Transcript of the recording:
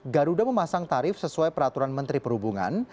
garuda memasang tarif sesuai peraturan menteri perhubungan